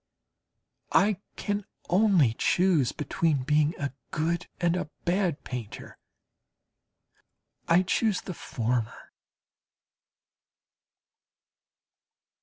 I can only choose between being a good and a bad painter. I choose the former.